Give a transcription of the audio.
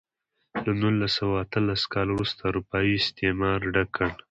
له نولس سوه اتلس کال وروسته اروپايي استعمار ډک کړ.